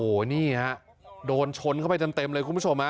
โอ้โหโอ้โหเนี่ยโดนช้นเข้าไปเต็มเลยคุณผู้ชมะ